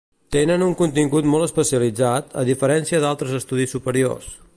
Tenen un contingut molt especialitzat, a diferència d'altres estudis superiors.